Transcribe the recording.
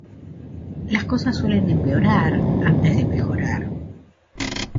Las cosas suelen empeorar antes de mejorar.